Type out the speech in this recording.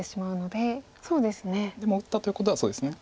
でも打ったということはそうですね。